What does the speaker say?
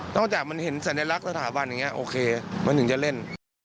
จากมันเห็นสัญลักษณ์สถาบันอย่างนี้โอเคมันถึงจะเล่น